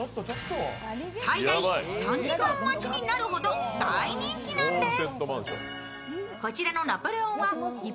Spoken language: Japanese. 最大３時間待ちになるほど大人気なんです。